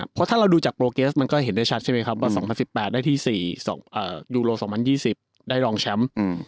เพราะถ้าเราดูจากโปรเกสมันก็เห็นได้ชัดใช่ไหมครับว่า๒๐๑๘ได้ที่ยูโร๒๐๒๐ได้รองแชมป์